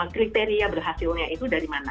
kriteria berhasilnya itu dari mana